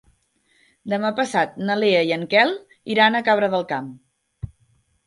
Demà passat na Lea i en Quel iran a Cabra del Camp.